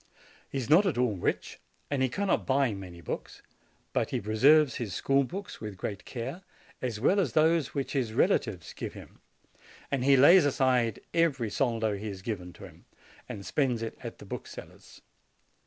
He is not at all rich, and he can not buy many books; but he preserves his schoolbooks with great care, as well as those which his relatives give him; and he lays aside every soldo that is given to him, and spends it at the bookseller's.